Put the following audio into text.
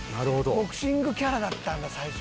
「ボクシングキャラだったんだ最初」